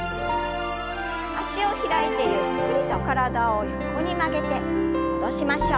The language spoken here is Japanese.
脚を開いてゆっくりと体を横に曲げて戻しましょう。